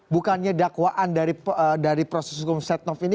bukannya dakwaan dari proses hukum setnov ini